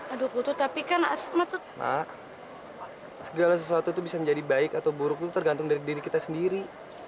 aduh kutu tapi kan asma tuh segala sesuatu itu bisa menjadi baik atau buruk tergantung dari diri kita sendiri